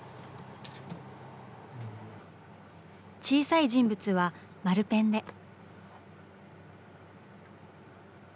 小さい人物は丸ペンで。